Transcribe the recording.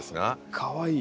あかわいい。